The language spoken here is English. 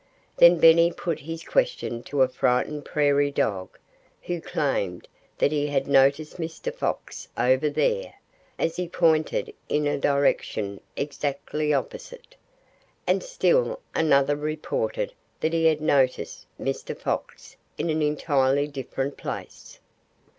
Then Benny put his question to a frightened prairie dog, who claimed that he had noticed Mr. Fox "over there," as he pointed in a direction exactly opposite. And still another reported that he had noticed Mr. Fox in an entirely different place.